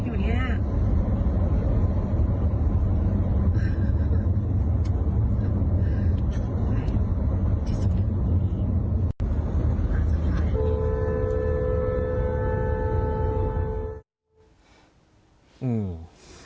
ที่สุดท้าย